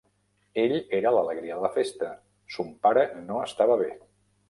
Ell era l'alegria de la festa; son pare no estava bé.